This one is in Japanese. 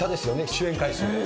主演回数で。